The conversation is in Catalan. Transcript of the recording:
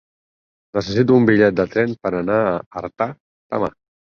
Necessito un bitllet de tren per anar a Artà demà.